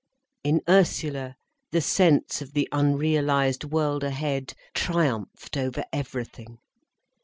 In Ursula the sense of the unrealised world ahead triumphed over everything.